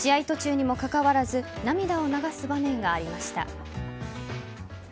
途中にもかかわらず涙を流す場面がありました。